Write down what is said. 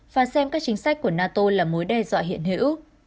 và xem các chính sách của nato là mối đe dọa hiện hữu